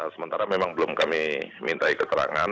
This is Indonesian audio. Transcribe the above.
sementara memang belum kami mintai keterangan